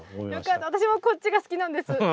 私もこっちが好きなんです。